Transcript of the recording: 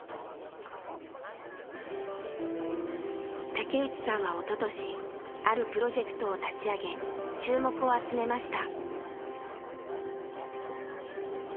竹内さんはおととしあるプロジェクトを立ち上げ注目を集めました。